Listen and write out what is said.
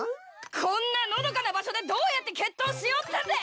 こんなのどかな場所でどうやって決闘しようってんでぇ！